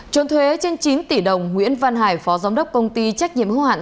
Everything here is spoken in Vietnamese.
trốn thuế trên chín tỷ đồng nguyễn văn hải phó giám đốc công ty trách nhiệm hưu hạn